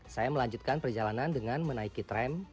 saya melanjutkan perjalanan dengan menaiki tram